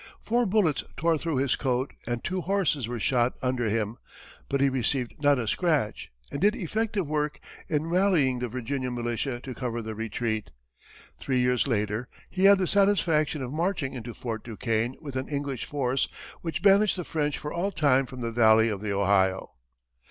Four bullets tore through his coat and two horses were shot under him, but he received not a scratch, and did effective work in rallying the Virginia militia to cover the retreat. Three years later, he had the satisfaction of marching into Fort Duquesne with an English force, which banished the French for all time from the valley of the Ohio.